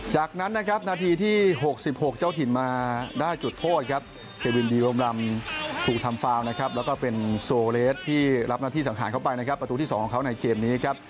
จากนั้นนะครับนาทีที่๖๖เจ้าถิ่นมาได้จุดโทษครับเกวินดีรมรำถูกทำฟาวนะครับแล้วก็เป็นโซเลสที่รับหน้าที่สังหารเข้าไปนะครับประตูที่๒ของเขาในเกมนี้ครับ